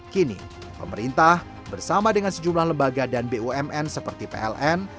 kini pemerintah bersama dengan sejumlah lembaga dan bumn seperti pln